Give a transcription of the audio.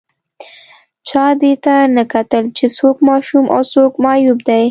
چا دې ته نه کتل چې څوک ماشوم او څوک معیوب دی